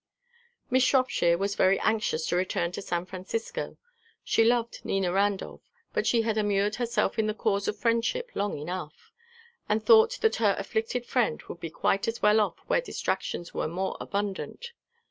Miss Shropshire was very anxious to return to San Francisco. She loved Nina Randolph; but she had immured herself in the cause of friendship long enough, and thought that her afflicted friend would be quite as well off where distractions were more abundant.